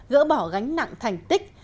gỡ bỏ gánh nặng thành tích